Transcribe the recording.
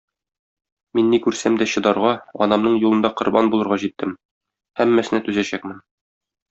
Мин ни күрсәм дә чыдарга, анамның юлында корбан булырга җиттем, һәммәсенә түзәчәкмен.